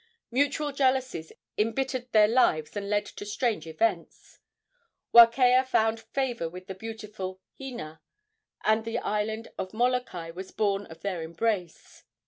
Mutual jealousies embittered their lives and led to strange events. Wakea found favor with the beautiful Hina, and the island of Molokai was born of their embrace.